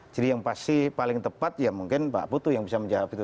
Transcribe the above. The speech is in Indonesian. jadi yang pasti paling tepat ya mungkin pak butuh yang bisa menjawab itu